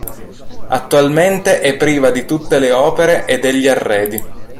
Attualmente è priva di tutte le opere e degli arredi.